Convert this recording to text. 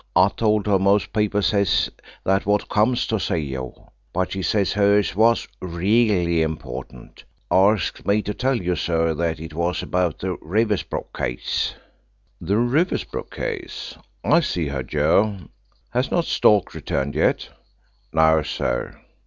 I told her most people says that wot comes to see you, but she says hers was reely important. Arskt me to tell you, sir, that it was about the Riversbrook case." "The Riversbrook case? I'll see her, Joe. Has not Stork returned yet?" "No, sir."